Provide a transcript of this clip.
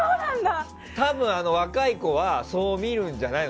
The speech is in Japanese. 多分、若い子はそう見るんじゃないの？